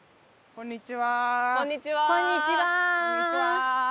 こんにちは。